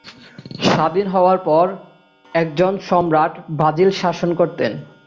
স্বাধীন হবার পর একজন সম্রাট ব্রাজিল শাসন করতেন।